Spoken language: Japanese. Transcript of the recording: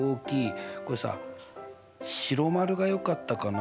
これさ白丸がよかったかな。